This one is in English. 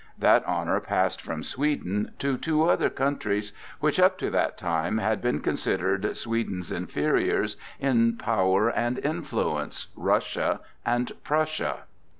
That honor passed from Sweden to two other countries which up to that time had been considered Sweden's inferiors in power and influence,—Russia and Prussia.